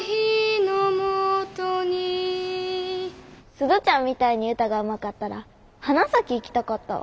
鈴ちゃんみたいに歌がうまかったら花咲行きたかったわ。